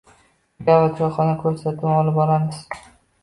Gap va choyxona ko’rsatuvini olib boramiz.